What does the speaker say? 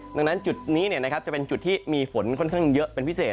ดังนั้นจุดนี้จะเป็นจุดที่มีฝนค่อนข้างเยอะเป็นพิเศษ